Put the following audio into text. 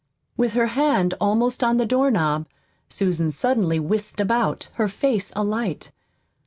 With her hand almost on the doorknob Susan suddenly whisked about, her face alight.